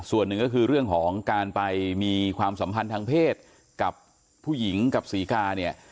ส่วนหนึ่งก็คือเรื่องของการไปมีความสัมพันธ์ทางเพศกับผู้หญิงกับศรีกาเนี่ย